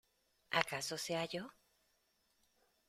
¡ acaso sea yo!...